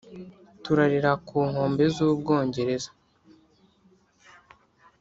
turarira ku nkombe z’ubwongereza,